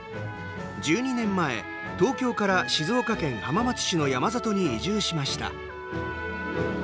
１２年前、東京から静岡県浜松市の山里に移住しました。